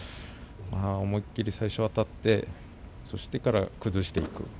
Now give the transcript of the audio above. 思い切り最初はあたってそして、崩していく。